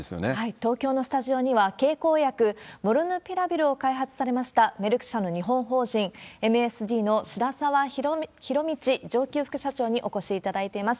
東京のスタジオには、経口薬、モルヌピラビルを開発されましたメルク社の日本法人、ＭＳＤの白沢博満上級副社長にお越しいただいています。